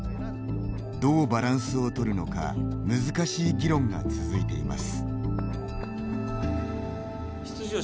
どうバランスをとるのか難しい議論が続いています。